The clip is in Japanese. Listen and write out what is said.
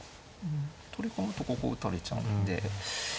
取り込むとここ打たれちゃうんでうん。